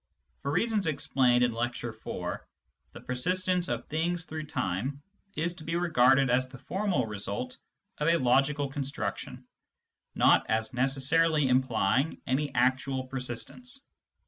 For reasons ex plained in Lecture IV., the persistence of things through time is to be regarded as the formal result of a logical construction, not as necessarily implying any actual per sistence.